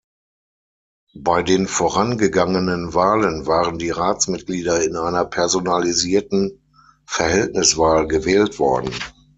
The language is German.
Bei den vorangegangenen Wahlen waren die Ratsmitglieder in einer personalisierten Verhältniswahl gewählt worden.